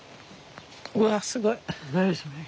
うわすごい。